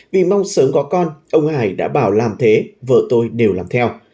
vì mong sớm có con ông hải đã bảo làm thế vợ tôi đều làm theo